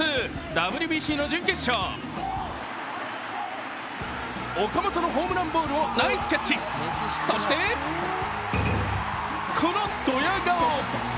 ＷＢＣの準決勝岡本のホームランボールをナイスキャッチ、そしてこのドヤ顔！